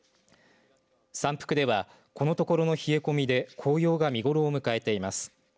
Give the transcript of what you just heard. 山腹ではこのところの冷え込みで紅葉が見頃を迎えています。